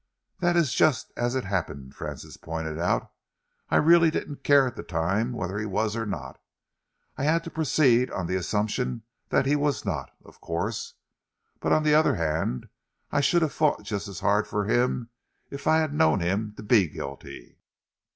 "That's just as it happened," Francis pointed out. "I really didn't care at the time whether he was or not. I had to proceed on the assumption that he was not, of course, but on the other hand I should have fought just as hard for him if I had known him to be guilty."